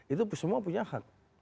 itu semua punya hak